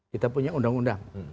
kita punya undang undang